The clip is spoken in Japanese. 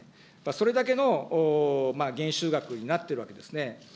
それだけの減収額になっているわけですね。